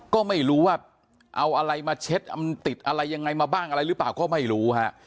ก็ไม่รู้ว่าเอาอะไรมาเช็ดมันติดอะไรยังไงมาบ้างอะไรหรือเปล่าก็ไม่รู้ฮะ